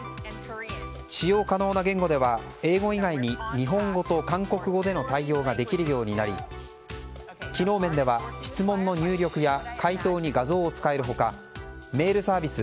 使用可能な言語では英語以外に日本語や韓国語での対応ができるようになり機能面では質問の入力や回答に画像を使える他メールサービス